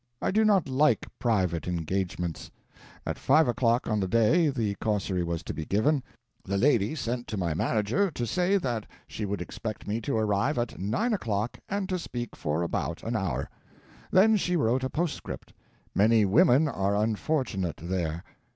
I do not like private engagements. At five o'clock on the day the causerie was to be given, the lady sent to my manager to say that she would expect me to arrive at nine o'clock and to speak for about an hour. Then she wrote a postscript. Many women are unfortunate there.